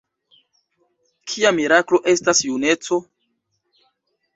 Kia miraklo estas juneco?